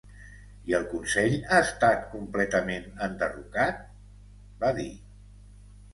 "I el Consell ha estat completament enderrocat?", va dir.